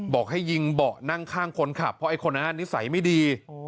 บอกให้ยิงเบาะนั่งข้างคนขับเพราะไอ้คนนั้นนิสัยไม่ดี